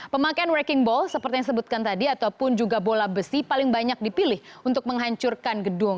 pemakaian working ball seperti yang disebutkan tadi ataupun juga bola besi paling banyak dipilih untuk menghancurkan gedung